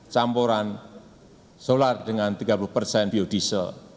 campuran solar dengan tiga puluh persen biodiesel